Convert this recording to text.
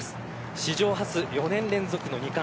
史上初４年連続の二冠。